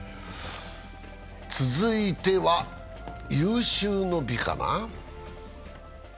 続いては有終の美かな。